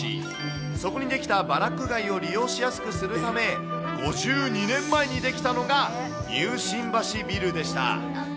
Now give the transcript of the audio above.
そこに出来たバラック街を利用しやすくするため、５２年前に出来たのが、ニュー新橋ビルでした。